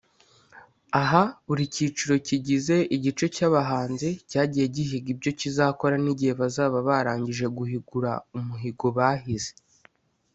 Aha buri cyiciro kigize igice cy’abahanzi cyagiye gihiga ibyo kizakora n'igihe bazaba barangije guhigura umuhigo bahize